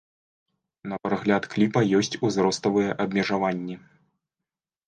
На прагляд кліпа ёсць узроставыя абмежаванні!